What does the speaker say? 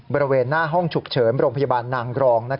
บริเวณหน้าห้องฉุกเฉินโรงพยาบาลนางกรอง